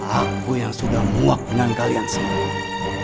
aku yang sudah muak dengan kalian semua